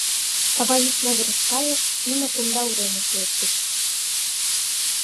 Ава йӱк могырыш кайыш, нуно кумда уремыш лектыч.